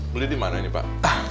beli di mana ini pak